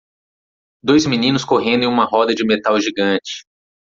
Dois meninos correndo em uma roda de metal gigante.